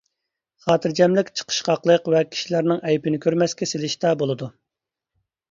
خاتىرجەملىك چىقىشقاقلىق ۋە كىشىلەرنىڭ ئەيىبىنى كۆرمەسكە سېلىشتا بولىدۇ.